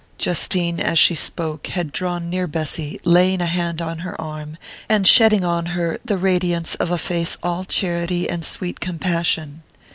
Justine, as she spoke, had drawn near Bessy, laying a hand on her arm, and shedding on her the radiance of a face all charity and sweet compassion.